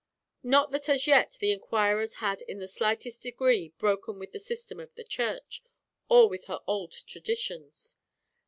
Not that as yet the inquirers had in the slightest degree broken with the system of the Church, or with her old traditions.